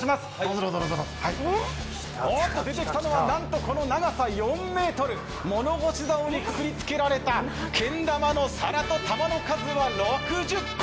おっと出てきたのはなんと長さ４ｍ物干しざおにくくりつけられたけんだまの皿と球の数は６０個。